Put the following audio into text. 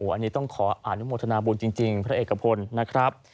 อันนี้ต้องขออนุโมทนาบุญจริงพระเอกพลนะครับ